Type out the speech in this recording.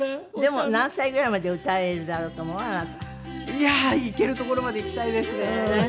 いやあいけるところまでいきたいですね。